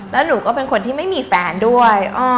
แล้วหนูก็เป็นคนที่ไม่มีแฟนด้วย